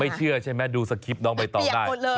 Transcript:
ไม่เชื่อใช่ไหมดูสกริปน้องไปต่อได้เปรียกหมดเลย